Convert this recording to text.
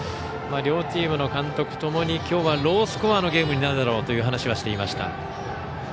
両チームの監督ともに今日はロースコアのゲームになるだろうと話をしていました。